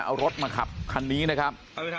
เอารถมาขับคันนี้นะครับ